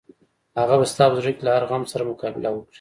هغه به ستا په زړه کې له هر غم سره مقابله وکړي.